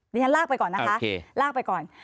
ฉันลากไปก่อนนะคะลากไปก่อน